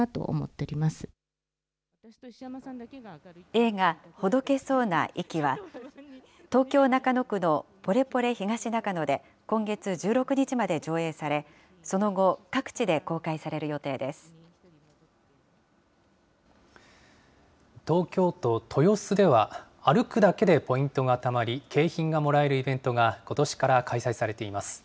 映画、ほどけそうな、息は、東京・中野区のポレポレ東中野で今月１６日まで上映され、その後、東京都豊洲では、歩くだけでポイントがたまり、景品がもらえるイベントがことしから開催されています。